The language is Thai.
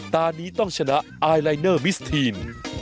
ตอนนี้ต้องชนะไอลายเนอร์มิสทีน